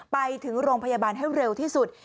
ไปถึงโรงพยาบาลให้เร็วที่สุด